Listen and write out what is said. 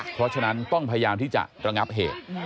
เพราะฉะนั้นต้องพยายามที่จะระงับเหตุ